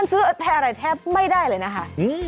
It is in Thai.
ซื้อแทนอะไรแทบไม่ได้เลยนะคะ